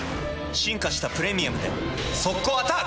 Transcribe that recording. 進化した「プレミアム」で速攻アタック！